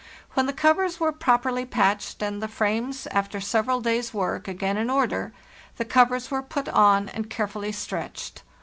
When the covers were properly patched, and the frames, after several days' work, again in order, the covers were put on and carefully stretched.